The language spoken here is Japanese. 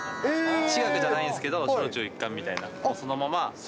私学じゃないんですけど、小中一貫みたいな、そのまま。